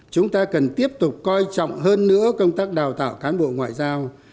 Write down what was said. chúng ta cần tiếp tục coi trọng hơn nữa công tác đào tạo cán bộ ngoại giao